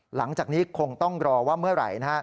หลังจากนี้คงต้องรอว่าเมื่อไหร่